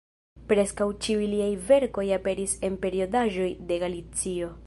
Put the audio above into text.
Preskaŭ ĉiuj liaj verkoj aperis en periodaĵoj de Galicio.